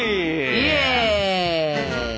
イエイ！